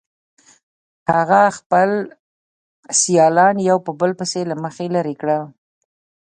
هغه خپل سیالان یو په بل پسې له مخې لرې کړل